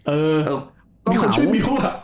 เออมีคนชื่นมีกลัว